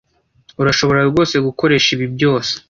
Urashobora rwose gukoresha ibi byose?